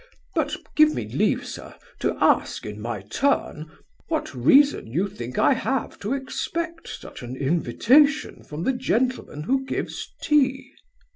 But, give me leave, Sir, to ask in my turn, what reason you think I have to expect such an invitation from the gentleman who gives tea?